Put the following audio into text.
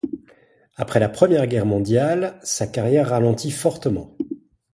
Après la Première Guerre mondiale, sa carrière ralentit fortement.